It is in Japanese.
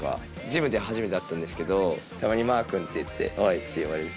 ジムで初めて会ったんですけどたまに「マーくん」って言って「おい」って言われる。